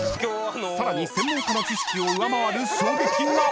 ［さらに専門家の知識を上回る衝撃が！］